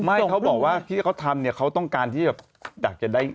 ไม่เขาบอกว่าที่เขาทำเขาต้องการที่อยากจะได้